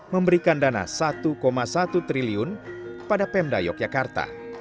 memberikan dana rp satu satu triliun pada pemda yogyakarta